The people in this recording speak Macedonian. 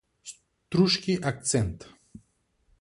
Struski akcent